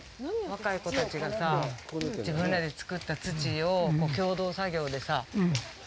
若い子たちがさ、自分らで作った土を共同作業でさ。